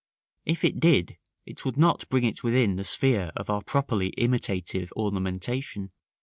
If it did, it would not bring it within the sphere of our properly imitative ornamentation.